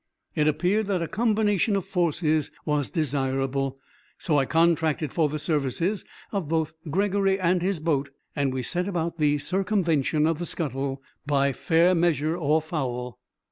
It appeared that a combination of forces was desirable, so I contracted for the services of both Gregory and his boat, and we set about the circumvention of the scuttle by fair measure or foul.